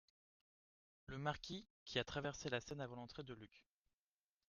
Le Marquis , qui a traversé la scène avant l’entrée de Luc.